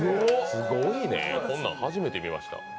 すごいね、こんなん初めて見ました。